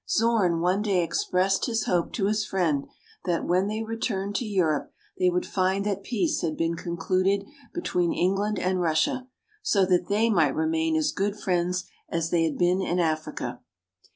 Zorn one day expressed his hope to his friend that when they returned to Europe they would find that peace had been concluded between England and Russia, so that they might remain as good friends as they had been in Africa.